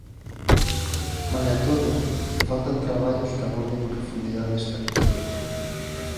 Malia todo, faltan traballos que aborden en profundidade esta cuestión.